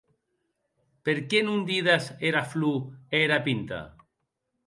Per qué non dides era flor e era pinta?